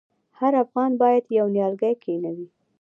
هر افغان باید یو نیالګی کینوي؟